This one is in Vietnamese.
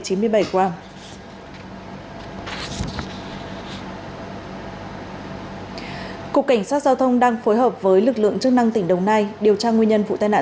cục cảnh sát giao thông đang phối hợp với lực lượng chức năng tỉnh đồng nai điều tra nguyên nhân vụ tai nạn